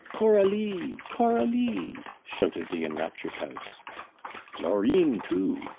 "Coralie_! Coralie_!" shouted the enraptured house. "Florine, too!"